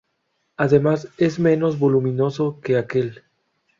Además es menos voluminoso que aquel.